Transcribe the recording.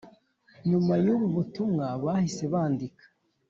Nyuma y’ubu butumwa bahise bandika